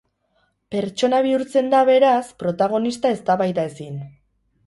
Pertsona bihurtzen da, beraz, protagonista eztabaidaezin.